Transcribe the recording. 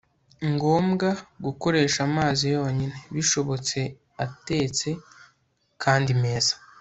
ngombwa gukoresha amazi yonyine, bishobotse atetse kandi meza